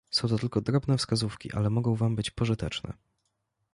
"Są to tylko drobne wskazówki ale mogą wam być pożyteczne."